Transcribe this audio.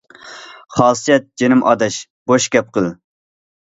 - خاسىيەت، جىنىم ئاداش، بوش گەپ قىل.